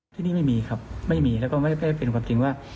ที่นี่ไม่มีครับไม่มีแล้วก็ไม่เป็นความจริงว่า